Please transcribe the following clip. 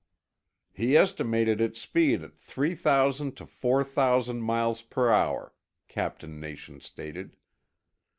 "He estimated its speed at three thousand to four thousand miles per hour," Captain Nation stated.